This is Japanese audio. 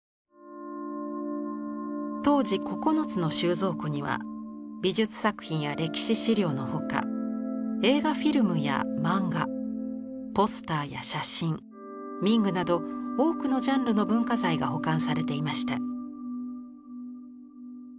当時９つの収蔵庫には美術作品や歴史資料の他映画フィルムやマンガポスターや写真民具など多くのジャンルの文化財が保管されていました。